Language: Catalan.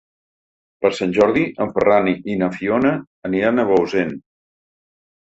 Per Sant Jordi en Ferran i na Fiona aniran a Bausen.